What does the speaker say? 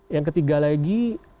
yang ketiga lagi